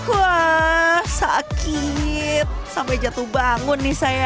wah sakit sampai jatuh bangun nih saya